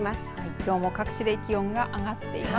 きょうも各地で気温が上がっています。